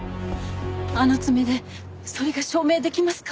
あの爪でそれが証明できますか？